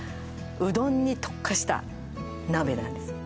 うどんに特化した鍋なんですよ